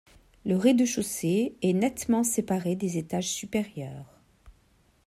Le rez-de-chaussée est nettement séparé des étages supérieurs.